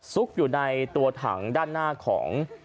ซุกอยู่ในตัวถังด้านหน้าของ